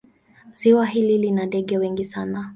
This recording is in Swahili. Ziwa hili lina ndege wengi sana.